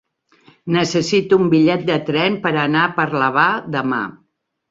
Necessito un bitllet de tren per anar a Parlavà demà.